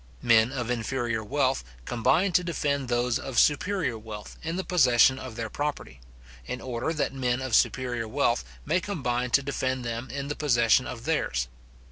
Men of inferior wealth combine to defend those of superior wealth in the possession of their property, in order that men of superior wealth may combine to defend them in the possession of theirs.